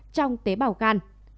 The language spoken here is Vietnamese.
trong tế bào can